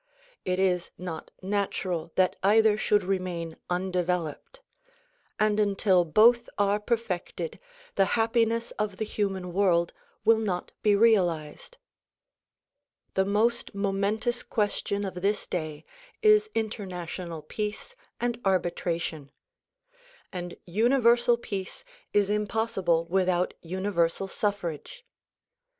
It is not natural that either should remain undeveloped ; and until both are perfected the hap piness of the human world will not be realized. The most momentous question of this day is international peace and arbitration ; and Universal Peace is impossible without universal suffrage.